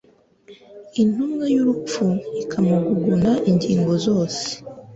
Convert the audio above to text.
intumwa y'urupfu ikamuguguna ingingo zose